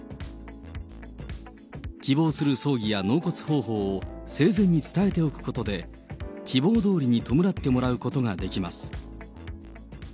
希望する葬儀や納骨方法を生前に伝えておくことで、希望どおりに弔ってもらうことができます。